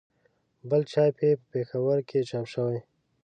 بل چاپ یې په پېښور کې چاپ شوی.